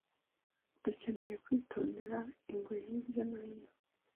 Dukeneye kwitondera ingwe hirya no hino?